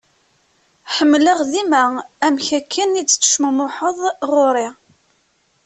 Ḥemmleɣ dima amek akken i d-tettecmumuḥeḍ ɣur-i.